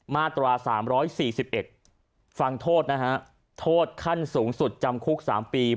มาตราสามร้อยสี่สิบเอ็ดฟังโทษนะฮะโทษขั้นสูงสุดจำคุกสามปี